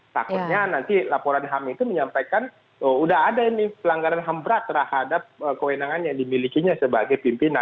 takutnya nanti laporan ham itu menyampaikan sudah ada ini pelanggaran ham berat terhadap kewenangan yang dimilikinya sebagai pimpinan